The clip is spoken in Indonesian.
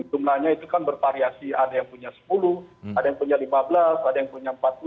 jumlahnya itu kan bervariasi ada yang punya sepuluh ada yang punya lima belas ada yang punya empat puluh